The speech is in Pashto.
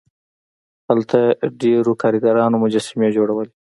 هلته ډیرو کارګرانو مجسمې جوړولې.